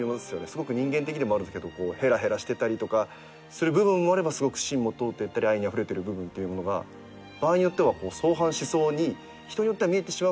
すごく人間的でもあるんすけどヘラヘラしてたりとかする部分もあればすごく心も通っていたり愛にあふれてる部分ってものが場合によっては相反しそうに人によっては見えてしまうかもしれないけど